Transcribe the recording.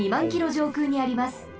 じょうくうにあります。